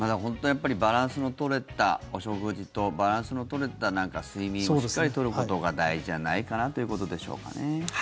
やっぱりバランスの取れたお食事とバランスの取れた睡眠をしっかり取ることが大事じゃないかなということでしょうかね。